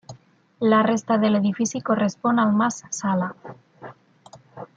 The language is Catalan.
La resta de l'edifici correspon al mas Sala.